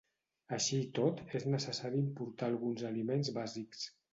Així i tot és necessari importar alguns aliments bàsics.